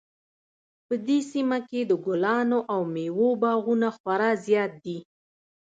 په دې سیمه کې د ګلانو او میوو باغونه خورا زیات دي